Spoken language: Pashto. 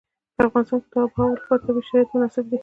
په افغانستان کې د آب وهوا لپاره طبیعي شرایط مناسب دي.